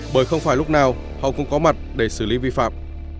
bởi không phải lúc nào họ cũng có mặt để xử lý vi phạm